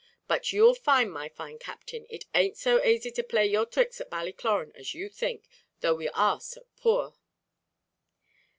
But you'll find, my fine Captain, it an't quite so asy to play your thricks at Ballycloran as you think, though we are so poor."